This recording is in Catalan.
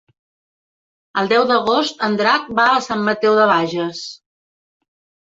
El deu d'agost en Drac va a Sant Mateu de Bages.